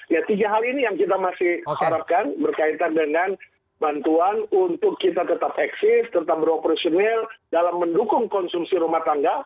nah tiga hal ini yang kita masih harapkan berkaitan dengan bantuan untuk kita tetap eksis tetap beroperasional dalam mendukung konsumsi rumah tangga